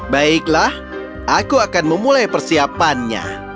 baiklah aku akan memulai persiapannya